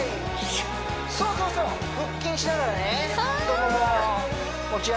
そうそうそう腹筋しながらねはあ！